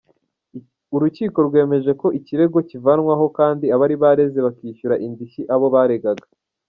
Urukiko rwemeje ko ikirego kivanwaho kandi abari bareze bakishyura indishyi abo baregaga.